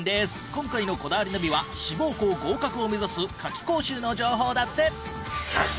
今回の『こだわりナビ』は志望校合格を目指す夏期講習の情報だって。